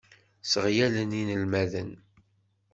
Sseɣyalen inelmaden.